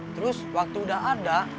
terus waktu udah ada